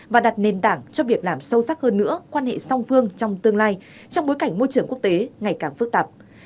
và đặt nền tảng cho việc làm sâu sắc hơn nữa quan hệ song phương trong tương lai trong bối cảnh môi trường quốc tế ngày càng phức tạp